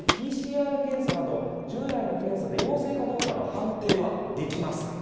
ＰＣＲ検査など従来の検査陽性かどうかの判定はできます。